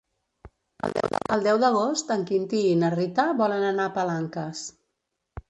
El deu d'agost en Quintí i na Rita volen anar a Palanques.